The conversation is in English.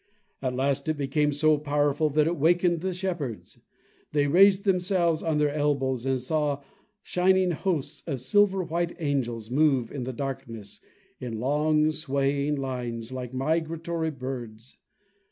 At last it became so powerful that it wakened the shepherds. They raised themselves on their elbows and saw shining hosts of silver white angels move in the darkness in long, swaying lines, like migratory birds.